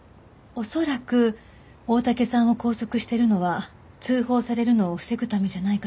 恐らく大竹さんを拘束してるのは通報されるのを防ぐためじゃないかしら。